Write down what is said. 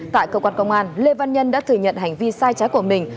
tại cơ quan công an lê văn nhân đã thừa nhận hành vi sai trái của mình